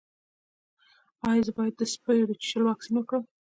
ایا زه باید د سپي د چیچلو واکسین وکړم؟